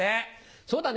そうだね。